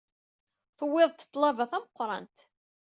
Tuwyeḍ-d ḍḍlaba d tameqrant.